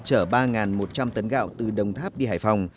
chở ba một trăm linh tấn gạo từ đồng tháp đi hải phòng